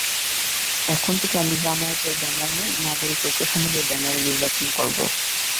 এখন থেকে আমি জামায়াতের ব্যানারে নয়, নাগরিক ঐক্য সমাজের ব্যানারে নির্বাচন করব।